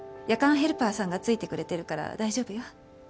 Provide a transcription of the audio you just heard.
ヘルパーさんがついてくれてるから大丈夫よ。